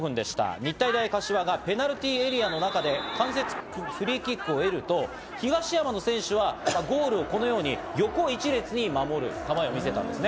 日体大柏がペナルティーエリアの中で間接フリーキックを得ると、東山の選手はゴールをこのように横一列に守る構えを見せたんですね。